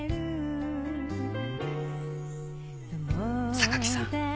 榊さん